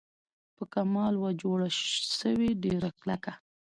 په کمال وه جوړه سوې ډېره کلکه